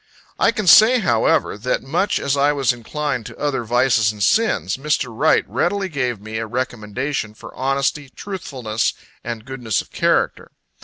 I can say, however, that, much as I was inclined to other vices and sins, Mr. Wright readily gave me a recommendation for honesty, truthfulness, and goodness of character.